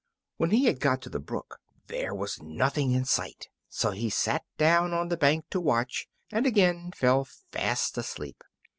When he got to the brook there was nothing in sight, so he sat down on the bank to watch, and again fell fast asleep.